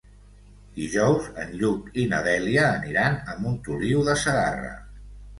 Dijous en Lluc i na Dèlia aniran a Montoliu de Segarra.